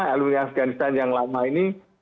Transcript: alun yang afghanistan yang lama ini